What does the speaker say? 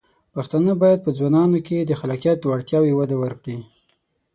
پښتانه بايد په ځوانانو کې د خلاقیت وړتیاوې وده ورکړي.